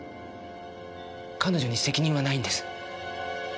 彼女に責任はないんです。